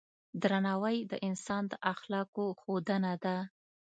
درناوی د انسان د اخلاقو ښودنه ده.